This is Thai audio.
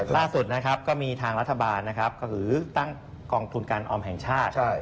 ล่าสุดก็มีทางรัฐบาลก็คือตั้งกองทุนการออมแห่งชาติ